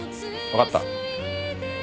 わかった。